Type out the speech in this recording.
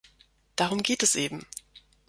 Darum geht es eben.